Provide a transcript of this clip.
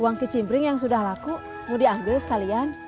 uang ke cimbring yang sudah laku mau diambil sekalian